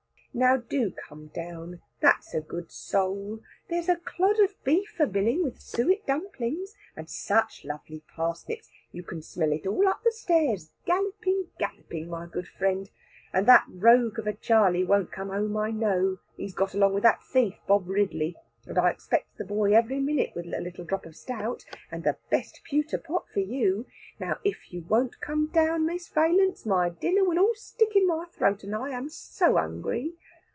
Now do come down, that's a good soul; there's a clod of beef a biling with suet dumplings, and such lovely parsnips, you can smell it all up the stairs, galloping, galloping, my good friend, and that rogue of a Charley won't come home I know, he's got along with that thief Bob Ridley; and I expects the boy every minute with a little drop of stout, and the best pewter pot for you. Now if you won't come down, Miss Valence, my dinner will all stick in my throat, and I am so hungry."